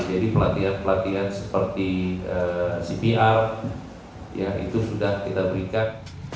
jadi pelatihan pelatihan seperti cpr ya itu sudah kita berikan